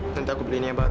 nanti aku beli ini baru